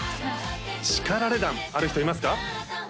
叱られ談ある人いますか？